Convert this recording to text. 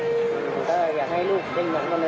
อยากให้ลูกเล่นเหมือนคนอื่น